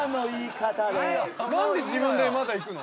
何で自分でまだいくの？